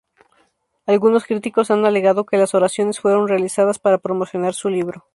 Algunos críticos han alegado que las oraciones fueron realizados para promocionar su libro.